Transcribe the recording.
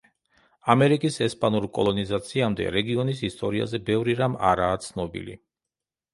ამერიკის ესპანურ კოლონიზაციამდე, რეგიონის ისტორიაზე ბევრი რამ არაა ცნობილი.